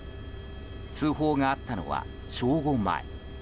通報があったのは正午前。